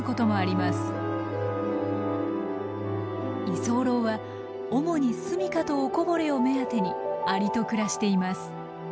居候は主にすみかとおこぼれを目当てにアリと暮らしています。